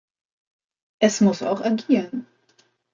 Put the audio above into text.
Es muss auch agieren.